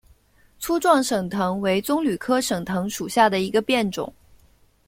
粗壮省藤为棕榈科省藤属下的一个变种。